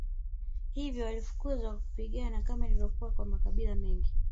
Hivyo waliwafukuza kwa kupigana kama ilivyokuwa kwa makabila mengi